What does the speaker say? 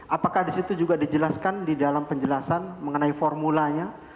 apakah disitu juga dijelaskan di dalam penjelasan mengenai formulanya